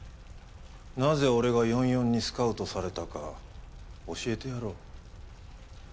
なぜ俺が４４にスカウトされたか教えてやろう。